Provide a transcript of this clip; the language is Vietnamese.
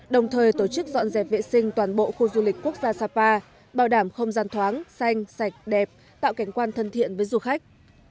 đồng thời tổ chức dọn dẹp vệ sinh toàn bộ khu du lịch quốc gia sapa bảo đảm không gian thoáng xanh sạch đẹp tạo cảnh quan thân thiện với du khách